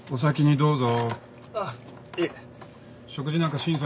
どうぞ。